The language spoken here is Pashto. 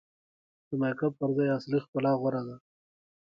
د میک اپ پر ځای اصلي ښکلا غوره ده.